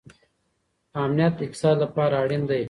امنیت د اقتصاد لپاره اړین دی.